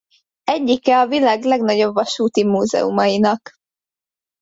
Egyike a világ legnagyobb vasúti múzeumainak.